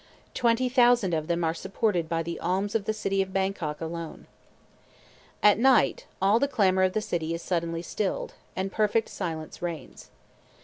Twenty thousand of them are supported by the alms of the city of Bangkok alone. At noon, all the clamor of the city is suddenly stilled, and perfect silence reigns.